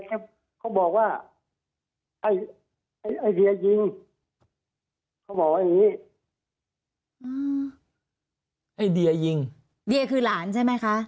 เขาบอกว่าไอ้ไอ้เดียยิงเขาบอกว่าอย่างงี้อืมไอเดียยิงเดียคือหลานใช่ไหมคะ